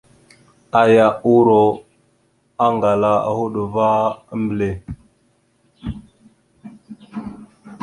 Aya uuro aŋgala a hoɗ va a mbelle.